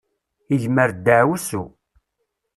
Igmer ddaɛwessu.